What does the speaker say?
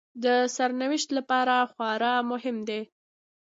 د سرنوشت لپاره خورا مهم دي